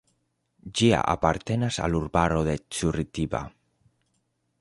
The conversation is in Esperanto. Ĝia apartenas al urbaro de Curitiba.